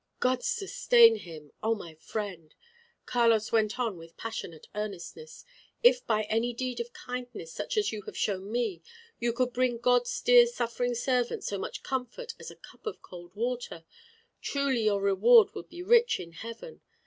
"God sustain him! Oh, my friend," Carlos went on with passionate earnestness, "if by any deed of kindness, such as you have shown me, you could bring God's dear suffering servant so much comfort as a cup of cold water, truly your reward would be rich in heaven.